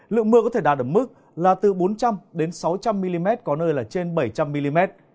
lượng mưa có thể đạt được mức là từ bốn trăm linh đến sáu trăm linh mm có nơi là trên bảy trăm linh mm